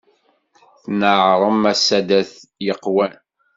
Tneɛrem a saddat yeqqwan.